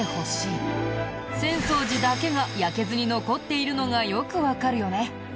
浅草寺だけが焼けずに残っているのがよくわかるよね。